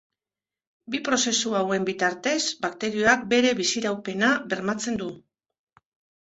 Bi prozesu hauen bitartez bakterioak bere biziraupena bermatzen du.